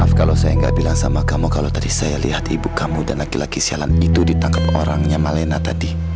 maaf kalau saya nggak bilang sama kamu kalau tadi saya lihat ibu kamu dan laki laki selan itu ditangkap orangnya malena tadi